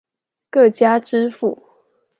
各家支付